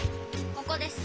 ここです。